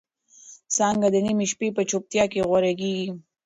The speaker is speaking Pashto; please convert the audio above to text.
څانګه د نيمې شپې په چوپتیا کې غوړېږي.